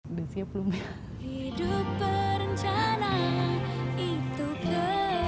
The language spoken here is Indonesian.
udah siap belum ya